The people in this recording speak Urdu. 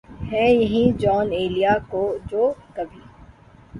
ہیں یہی جونؔ ایلیا جو کبھی